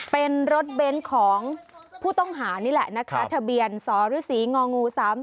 เป็นรถเบ้นของผู้ต้องหานี่แหละนะคะทะเบียนสศง๓๓๓๓